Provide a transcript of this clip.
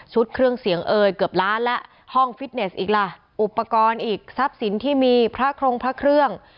เครื่องเสียงเอ่ยเกือบล้านแล้วห้องฟิตเนสอีกล่ะอุปกรณ์อีกทรัพย์สินที่มีพระครงพระเครื่อง